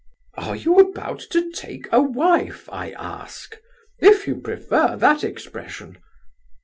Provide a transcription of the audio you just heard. "Are you about to take a wife? I ask,—if you prefer that expression."